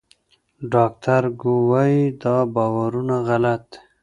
ډاکټر ګو وايي دا باورونه غلط دي.